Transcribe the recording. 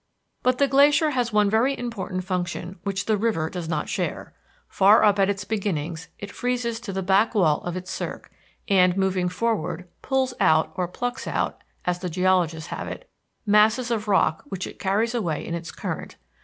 But the glacier has one very important function which the river does not share. Far up at its beginnings it freezes to the back wall of its cirque, and, moving forward, pulls out, or plucks out, as the geologists have it, masses of rock which it carries away in its current.